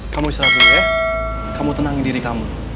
kamu istirahat dulu ya kamu tenangin diri kamu